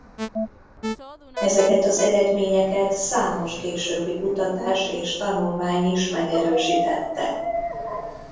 Ezeket az eredményeket számos későbbi kutatás és tanulmány is megerősítette.